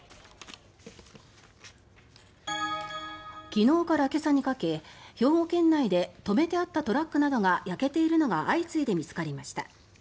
昨日から今朝にかけ、兵庫県内で止めてあったトラックなどが焼けているのが相次いで見つかりました。